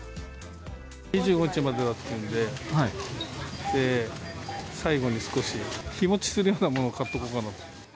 ２５日までだというので、最後に少し日持ちするようなものを買っておこうかなと思って。